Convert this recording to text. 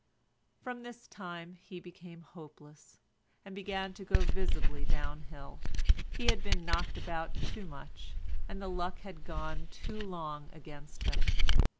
From this time he became hopeless, and began to go visibly down hill. He had been knocked about too much, and the luck had gone too long against him.